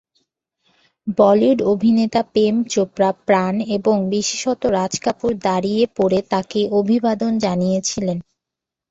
বলিউড অভিনেতা প্রেম চোপড়া, প্রাণ এবং বিশেষত রাজ কাপুর দাঁড়িয়ে পড়ে তাঁকে অভিবাদন জানিয়েছিলেন।